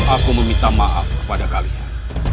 aku meminta maaf kepada kalian